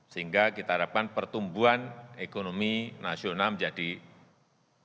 sehingga kita harapkan pertumbuhan ekonomi nasional menjadi lebih baik